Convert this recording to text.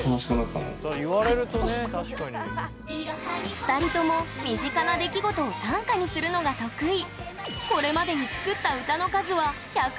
２人とも身近な出来事を短歌にするのが得意。